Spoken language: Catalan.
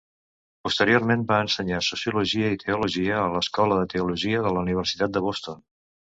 Posteriorment, va ensenyar sociologia i teologia a l'Escola de Teologia de la Universitat de Boston.